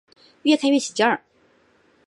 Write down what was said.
越看越起劲